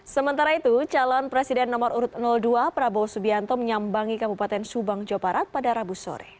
sementara itu calon presiden nomor urut dua prabowo subianto menyambangi kabupaten subang jawa barat pada rabu sore